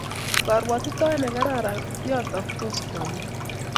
Koruotitoet nekararan, yotoktos konyek